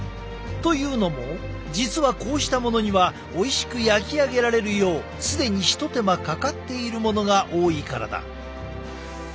というのも実はこうしたものにはおいしく焼き上げられるよう既に一手間かかっているものが多いからだ。